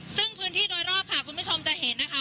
ซึ่งพื้นที่โดยรอบค่ะคุณผู้ชมจะเห็นนะคะ